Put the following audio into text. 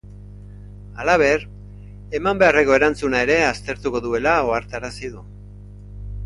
Halaber, eman beharreko erantzuna ere aztertuko duela ohartarazi du.